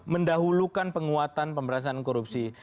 mendahulukan penguatan pemberantasan korupsi